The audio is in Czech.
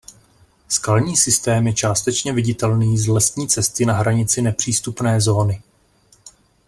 Skalní systém je částečně viditelný z lesní cesty na hranici nepřístupné zóny.